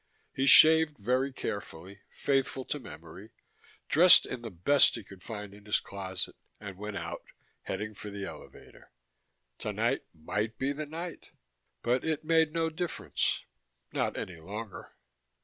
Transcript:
He shaved very carefully, faithful to memory, dressed in the best he could find in his closet, and went out, heading for the elevator. Tonight might be the night but it made no difference, not any longer.